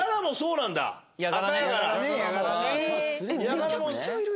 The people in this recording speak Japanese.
めちゃくちゃいるやん。